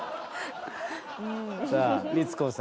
さあ光子さん